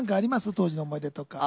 当時の思い出とか。